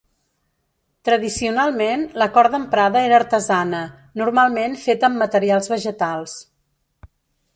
Tradicionalment, la corda emprada era artesana, normalment feta amb materials vegetals.